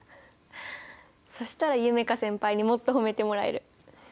そしたら夢叶先輩にもっと褒めてもらえる。